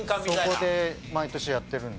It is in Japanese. そこで毎年やってるんですよ。